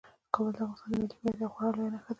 کابل د افغانستان د ملي هویت یوه خورا لویه نښه ده.